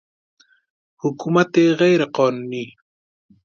حکومت غیر قانونی